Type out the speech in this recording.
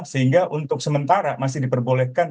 sehingga untuk sementara masih diperbolehkan